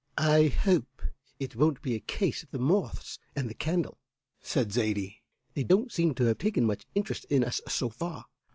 "I hope it won't be a case of the moths and the candle!" said Zaidie. "They don't seem to have taken much interest in us so far.